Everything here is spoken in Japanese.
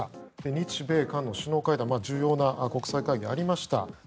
日米韓の首脳会談重要な国際会議がありました。